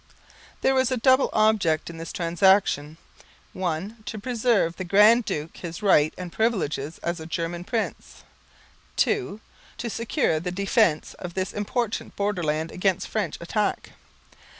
There was a double object in this transaction: (1) to preserve to the Grand Duke his rights and privileges as a German prince, (2) to secure the defence of this important borderland against French attack.